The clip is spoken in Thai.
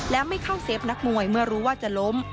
และไม่เข้าเซฟนักมวยเมื่อรู้ว่าจะล้ม